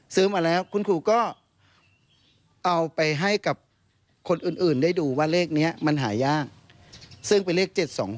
มาแล้วคุณครูก็เอาไปให้กับคนอื่นได้ดูว่าเลขนี้มันหายากซึ่งเป็นเลข๗๒๖